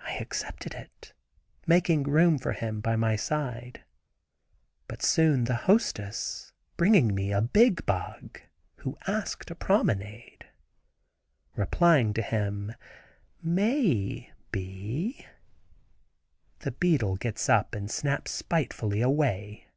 I accepted it, making room for him by my side. But soon the hostess, bringing to me a "bigbug," who asked a promenade. Replying to him "May bee," the beetle gets up and snaps spitefully away.